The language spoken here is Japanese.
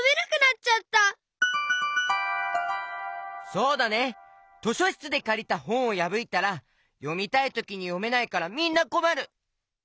そうだね！としょしつでかりたほんをやぶいたらよみたいときによめないからみんなこまる！